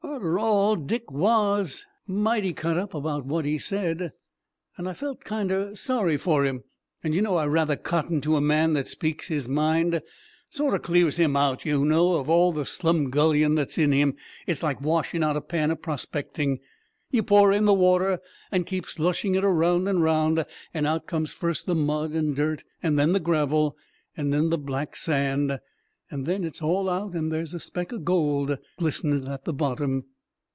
"Arter all, Dick was mighty cut up about what he said, and I felt kinder sorry for him. And, you know, I rather cotton to a man that speaks his mind. Sorter clears him out, you know, of all the slumgullion that's in him. It's just like washin' out a pan o' prospecting: you pour in the water, and keep slushing it round and round, and out comes first the mud and dirt, and then the gravel, and then the black sand, and then it's all out, and there's a speck o' gold glistenin' at the bottom!"